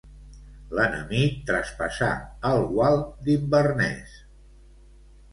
L'enemic traspassà el gual d'Inverness.